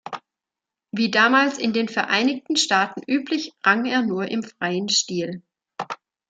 Wie damals in den Vereinigten Staaten üblich, rang er nur im freien Stil.